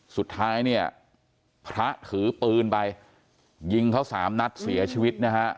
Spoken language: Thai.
สุดท้ายเนี่ยพระถือปืนไปยิงเขาสามนัดเสียชีวิตนะฮะ